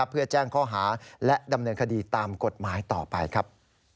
เพื่อแจ้งข้อหาและดำเนินคดีตามกฎหมายต่อไปครับ